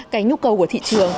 cái nhu cầu của thị trường